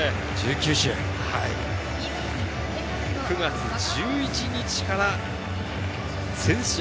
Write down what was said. ９月１１日から全試合